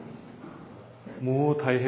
もう大変！